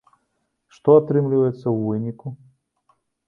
Што атрымліваецца ў выніку?